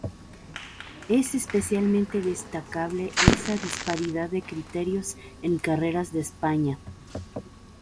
Es especialmente destacable esa disparidad de criterios en carreras de España.